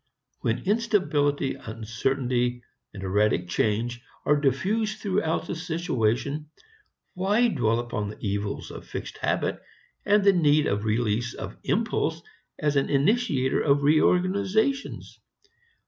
When instability, uncertainty, erratic change are diffused throughout the situation, why dwell upon the evils of fixed habit and the need of release of impulse as an initiator of reorganizations?